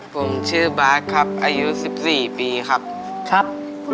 ผมชื่อแบงค์ครับอายุ๙ขวบครับ